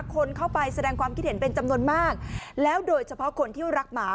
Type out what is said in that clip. คนเข้าไปแสดงความคิดเห็นเป็นจำนวนมากแล้วโดยเฉพาะคนที่รักหมา